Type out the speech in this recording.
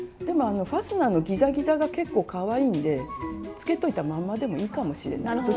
でもファスナーのギザギザが結構かわいいんでつけといたまんまでもいいかもしれない。